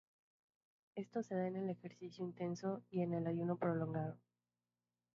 Esto se da en el ejercicio intenso y en el ayuno prologado.